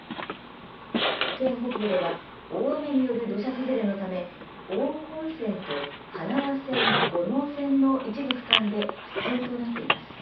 県北部では大雨による土砂崩れのため奥羽本線と花輪線、五能線の一部区間で不通となっています。